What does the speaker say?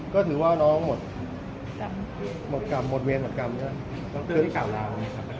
ก็ถือว่าน้องหมดกรรมหมดเวทหมดกรรม